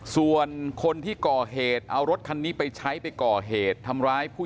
ส่วนคนที่ก่อเหตุเอารถคันนี้ไปใช้ไปก่อเหตุทำร้ายผู้